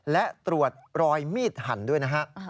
และตรวจรอยมีดหั่นด้วยนะฮะ